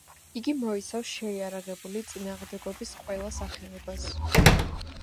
იგი მოიცავს შეიარაღებული წინააღმდეგობის ყველა სახეობას.